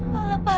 pak lepasin pak